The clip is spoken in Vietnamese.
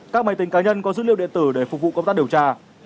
các máy tính cá nhân có dữ liệu điện tử để phục vụ công tác điều tra